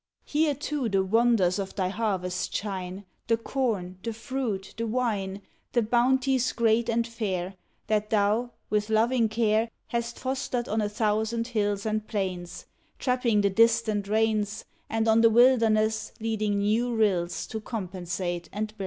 Here, too, the wonders of thy harvest shine, The corn, the fruit, the wine The bounties great and fair That thou, with loving care, Hast fostered on a thousand hills and plains, Trapping the distant rains, And on the wilderness Leading new rills to compensate and bless.